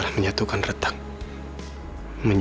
lo jahat man